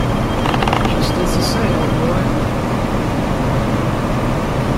Just as you say, old boy.